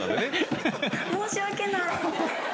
申し訳ない。